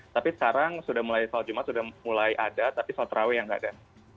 tapi sekarang sudah mulai sholat jumat sudah mulai ada tapi sholat raweh yang nggak ada